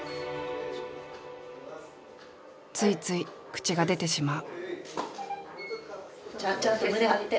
ついつい口が出てしまう。